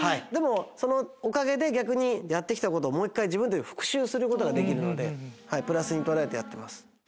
でもそのおかげで逆にやって来たことをもう１回自分たちも復習することができるのでプラスに捉えてやってます。